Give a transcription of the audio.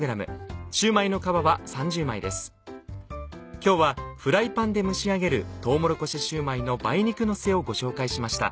今日はフライパンで蒸し上げる「とうもろこしシューマイ梅肉のせ」をご紹介しました。